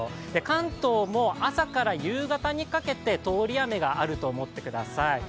関東も朝から夕方にかけて通り雨があると思ってください。